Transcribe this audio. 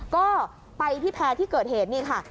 ก็ไปที่แพร่ที่เกิดเหตุนี่ค่ะ